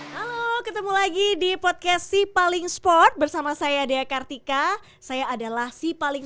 halo ketemu lagi di podcast sipaling sport bersama saya dea kartika saya adalah sipaling